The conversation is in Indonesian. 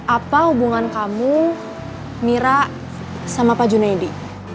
apa hubungan kamu mira sama pak juna ya di